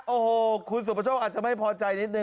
โอ้โหคุณสุประโชคอาจจะไม่พอใจนิดนึ